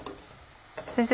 先生